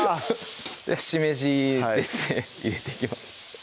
しめじですね入れていきます